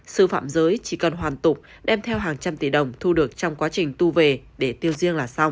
sư phạm giới chỉ cần hoàn tục đem theo hàng trăm tỷ đồng thu được trong quá trình tu về để tiêu riêng là xong